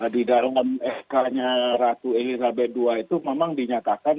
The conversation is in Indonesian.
di dalam sk nya ratu elizabeth ii itu memang dinyatakan